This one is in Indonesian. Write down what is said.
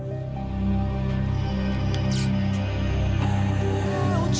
kak ibu sakit teh